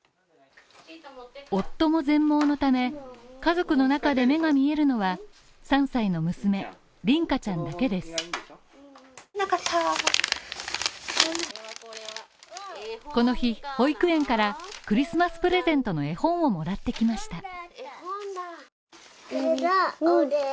夫も全盲のため、家族の中で目が見えるのは、３歳の娘・凛花ちゃんだけですこの日は保育園からクリスマスプレゼントの絵本をもらってきました。